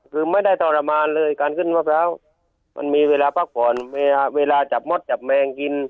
คือไม่ได้ทรมานเลยการขึ้นมะพร้าวมันมีเวลาพักผ่อนเวลาเวลาจับมดจับแมงกิน